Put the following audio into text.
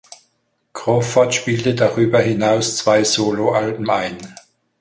Crawford spielte darüber hinaus zwei Soloalben ein.